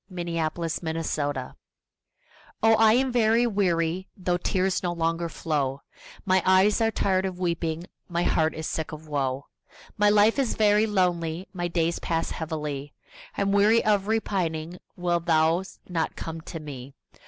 Anne Bronte Appeal OH, I am very weary, Though tears no longer flow; My eyes are tired of weeping, My heart is sick of woe; My life is very lonely My days pass heavily, I'm weary of repining; Wilt thou not come to me?